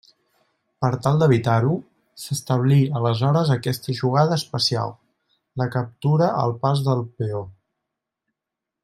Per tal d'evitar-ho, s'establí aleshores aquesta jugada especial: la captura al pas del peó.